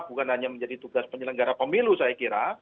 bukan hanya menjadi tugas penyelenggara pemilu saya kira